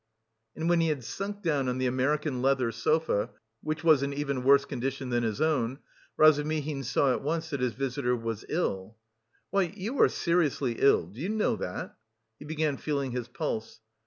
And when he had sunk down on the American leather sofa, which was in even worse condition than his own, Razumihin saw at once that his visitor was ill. "Why, you are seriously ill, do you know that?" He began feeling his pulse.